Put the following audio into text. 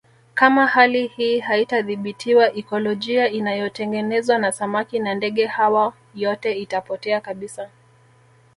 Kama hali hii haitadhibitiwa ikolojia inayotengenezwa na samaki na ndege hawa yote itapotea kabisa